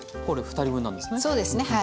これ２人分なんですね。